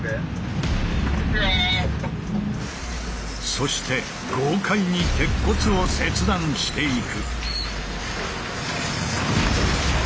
そして豪快に鉄骨を切断していく。